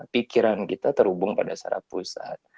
pikiran kita terhubung pada saraf pusat